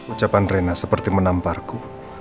ucapan rena seperti menamparku